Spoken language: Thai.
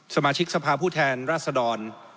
สมาชิกสภาพผู้แทนราชดร